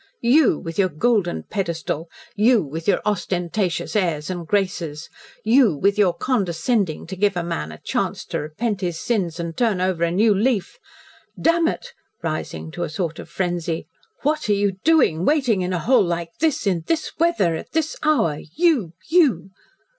You, with your golden pedestal you, with your ostentatious airs and graces you, with your condescending to give a man a chance to repent his sins and turn over a new leaf! Damn it," rising to a sort of frenzy, "what are you doing waiting in a hole like this in this weather at this hour you you!"